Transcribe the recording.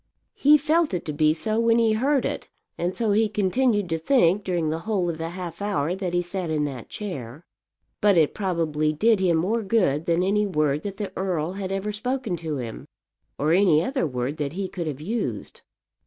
He felt it to be so when he heard it, and so he continued to think during the whole of the half hour that he sat in that chair. But it probably did him more good than any word that the earl had ever spoken to him, or any other word that he could have used.